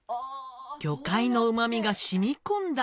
魚介のうま味が染み込んだ